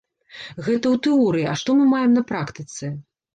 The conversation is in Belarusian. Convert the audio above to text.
Гэта ў тэорыі, а што мы маем на практыцы?